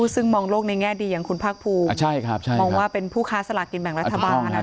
ซึ่งมองโลกในแง่ดีอย่างคุณภาคภูมิมองว่าเป็นผู้ค้าสลากินแบ่งรัฐบาล